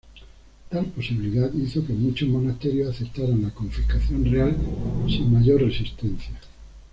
Tal posibilidad hizo que muchos monasterios aceptaran la confiscación real sin mayor resistencia.